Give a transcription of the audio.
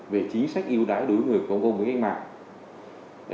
về chính sách ưu đãi đối với người có công với các mạng